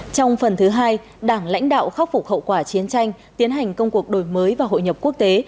trong phần thứ hai đảng lãnh đạo khắc phục hậu quả chiến tranh tiến hành công cuộc đổi mới và hội nhập quốc tế